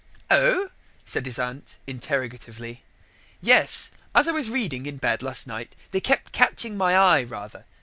"Oh?" said his aunt interrogatively. "Yes: as I was reading in bed last night they kept catching my eye rather.